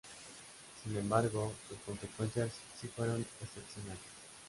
Sin embargo, sus consecuencias sí fueron excepcionales.